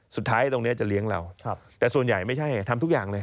ตรงนี้จะเลี้ยงเราแต่ส่วนใหญ่ไม่ใช่ทำทุกอย่างเลย